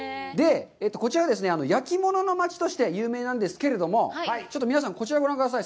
こちら、焼き物の町として有名なんですけれども、ちょっと皆さんこちらをご覧ください。